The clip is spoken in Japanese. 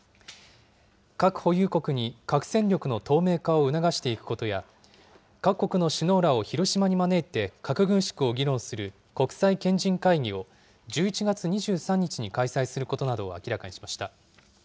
核保有国に核戦力の透明化を促していくことや、各国の首脳らを広島に招いて、核軍縮を議論する国際賢人会議を１１月２３日に開催することなどを明らかにしました。